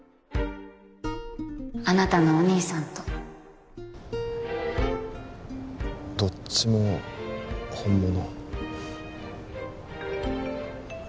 あなたのお兄さんとどっちも本物？